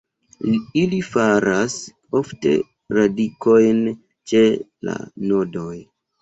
Ili faras ofte radikojn ĉe la nodoj.